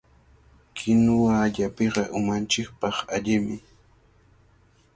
Kinuwa llapiqa umanchikpaq allimi.